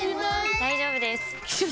大丈夫です！